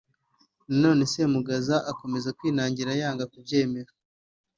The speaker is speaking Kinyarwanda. Na none Semugaza akomeza kwinangira yanga kubyemera